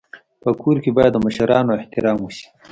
په کور کي باید د مشرانو احترام وسي.